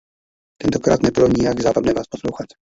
Tentokrát nebylo nijak zábavné vás poslouchat.